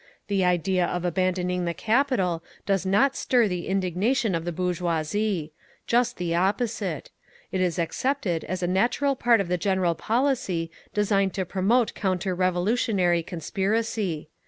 The idea of abandoning the capital does not stir the indignation of the bourgeoisie. Just the opposite. It is accepted as a natural part of the general policy designed to promote counter revolutionary conspiracy.